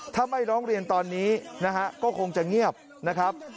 ถ้าไม่ร้องเรียนตอนนี้นะฮะก็คงจะเงียบนะครับ